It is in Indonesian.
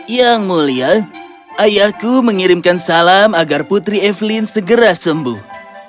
yang mulia ayahku mengirimkan salam agar putri evelyn segera sembuh